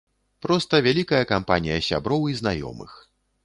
Проста вялікая кампанія сяброў і знаёмых.